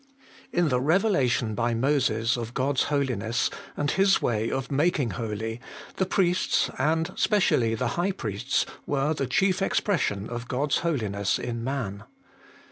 IN the revelation by Moses of God's Holiness and His way of making holy, the priests, and specially the high priests, were the chief expression of God's Holiness in man.